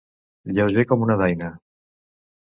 Lleuger com una daina.